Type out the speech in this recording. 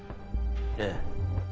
ええ。